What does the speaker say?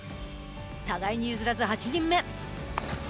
互いに譲らず８人目。